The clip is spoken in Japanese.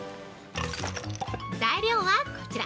材料は、こちら。